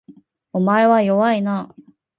お前は弱いな